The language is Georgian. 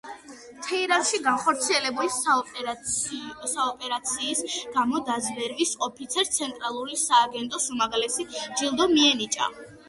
თეირანში განხორციელებული სპეცოპერაციის გამო დაზვერვის ოფიცერს ცენტრალური სააგენტოს უმაღლესი ჯილდო მიენიჭა.